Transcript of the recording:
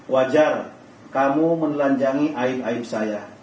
wajar kamu menelanjangi aib aib saya